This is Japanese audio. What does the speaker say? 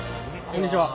こんにちは。